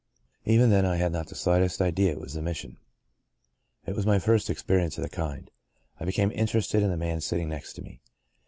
Even then I had not the slightest idea it was a mission. It was my first experience of the kind. I be came interested in the man sitting next to me.